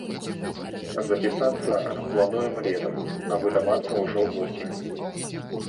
Запісацца плануем летам, а выдавацца ўжо ўвосень.